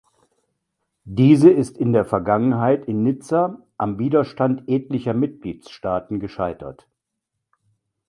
Diese ist in der Vergangenheit in Nizza am Widerstand etlicher Mitgliedstaaten gescheitert.